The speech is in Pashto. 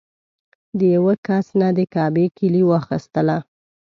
د یوه کس نه د کعبې کیلي واخیستله.